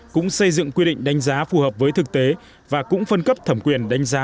cũng xây dựng quy định đánh giá phù hợp với thực tế và cũng phân cấp thẩm quyền đánh giá